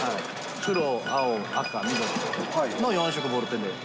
黒、青、赤、緑の４色ボールペンで。